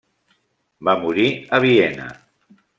Va morir a Viena.